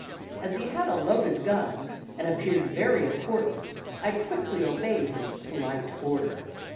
As he had a loaded gun, and appeared very important, I quickly obeyed his polite order.